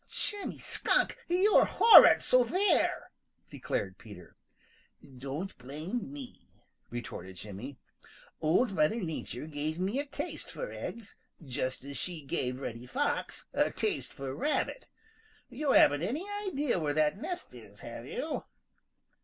"Jimmy Skunk, you're horrid, so there!" declared Peter. "Don't blame me," retorted Jimmy. "Old Mother Nature gave me a taste for eggs, just as she gave Reddy Fox a taste for Rabbit. You haven't any idea where that nest is, have you?"